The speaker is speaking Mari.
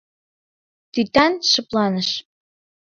Тӱтан шыпланыш.